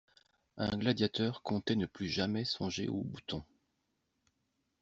Un gladiateur comptait ne plus jamais songer au bouton.